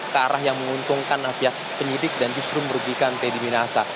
ke arah yang menguntungkan pihak penyidik dan justru merugikan teddy minasa